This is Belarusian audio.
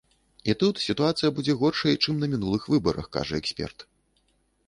І тут сітуацыя будзе горшай, чым на мінулых выбарах, кажа эксперт.